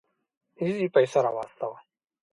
اېزي پيسه راواستوه.